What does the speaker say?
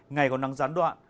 ngày còn nắng gián đoạn